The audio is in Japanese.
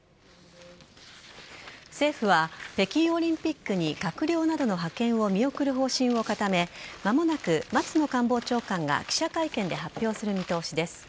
政府は北京オリンピックに閣僚などの派遣を見送る方針を固め間もなく松野官房長官が記者会見で発表する見通しです。